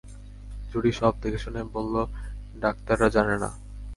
জুডি সব দেখেশুনে বলল, ডাক্তাররা জানে না।